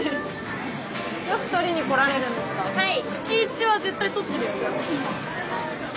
はい。